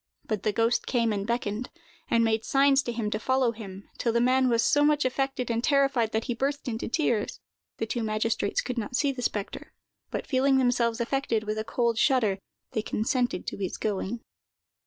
But the ghost came and beckoned, and made signs to him to follow him, till the man was so much affected and terrified that he burst into tears. The two magistrates could not see the spectre, but feeling themselves affected with a cold shudder, they consented to his going.